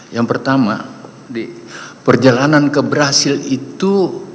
yang pertama perjalanan ke brazil itu